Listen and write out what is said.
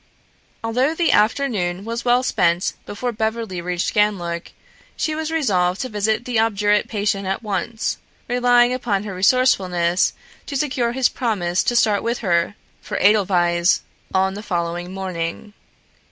Although the afternoon was well spent before Beverly reached Ganlook, she was resolved to visit the obdurate patient at once, relying upon her resourcefulness to secure his promise to start with her for Edelweiss on the following morning.